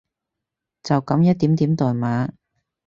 就噉一點點代碼